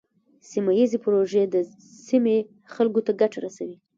سیمه ایزې پروژې د سیمې خلکو ته ګټه رسوي.